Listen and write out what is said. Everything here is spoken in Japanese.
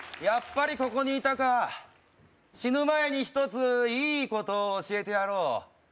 やっぱりここにいたか死ぬ前に１ついいことを教えてやろう